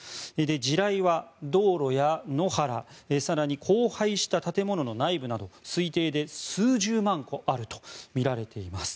地雷は道路や野原更に荒廃した建物の内部など推定で数十万個あるとみられています。